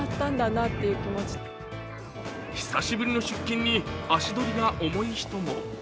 久しぶりの出勤に足取りが重い人も。